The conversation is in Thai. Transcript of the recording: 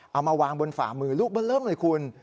เอามาวางบนฝ่ามือลูกมาเริ่มหน่อยคุณ